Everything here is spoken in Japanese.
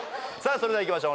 それではいきましょう